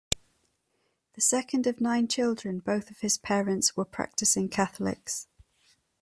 The second of nine children, both of his parents were practicing Catholics.